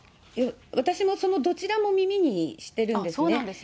私もそのどちらも耳にしてるんですね。